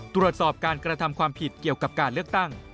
ตรวจสอบการกระทำความผิดเกี่ยวกับการเลือกตั้ง